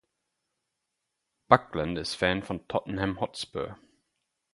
Buckland ist Fan von Tottenham Hotspur.